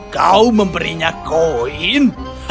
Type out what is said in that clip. kau memberinya koin